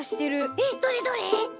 えっどれどれ？